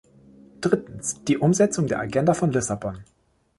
Drittens die Umsetzung der Agenda von Lissabon.